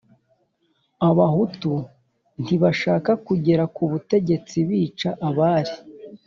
Abahutu ntibashaka kugera ku butegetsi bica abari